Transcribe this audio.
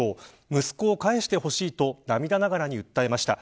息子を返してほしいと涙ながらに訴えました。